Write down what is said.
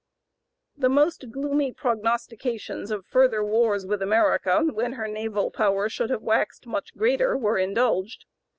The most gloomy prognostications of further wars with America when her naval power should have waxed much greater were indulged.